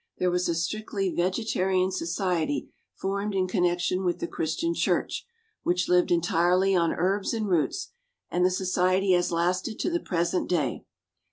there was a strictly vegetarian society formed in connection with the Christian Church, which lived entirely on herbs and roots, and the society has lasted to the present day.